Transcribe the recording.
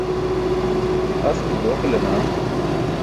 Askil dooqila naa?